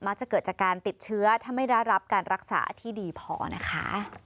จะเกิดจากการติดเชื้อถ้าไม่ได้รับการรักษาที่ดีพอนะคะ